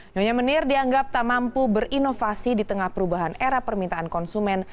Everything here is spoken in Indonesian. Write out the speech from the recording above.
nyonya menir dianggap tak mampu berinovasi di tengah perubahan era permintaan konsumen